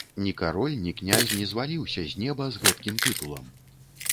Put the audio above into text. Ні кароль, ні князь, не зваліўся з неба з гэткім тытулам.